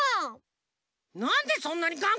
なんでそんなにがんこなのさ！